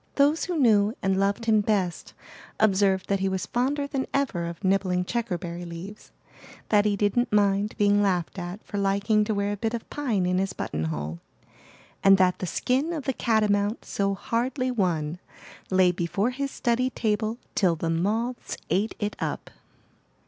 Those who knew and loved him best observed that he was fonder than ever of nibbling checkerberry leaves, that he didn't mind being laughed at for liking to wear a bit of pine in his buttonhole, and that the skin of the catamount so hardly won lay before his study table till the moths ate it up.